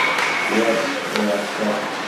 রিয়াজ, এই আশরাফ।